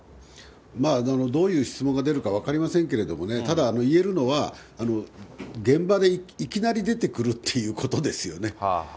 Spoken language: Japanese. まあ、どういう質問が出るか分かりませんけれどもね、ただ、言えるのは、現場でいきなり出てくるっていうことですよね。